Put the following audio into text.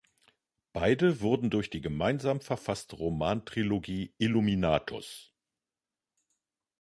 Beide wurden durch die gemeinsam verfasste Roman-Trilogie "Illuminatus!